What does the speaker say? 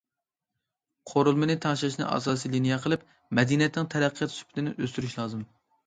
قۇرۇلمىنى تەڭشەشنى ئاساسىي لىنىيە قىلىپ، مەدەنىيەتنىڭ تەرەققىيات سۈپىتىنى ئۆستۈرۈش لازىم.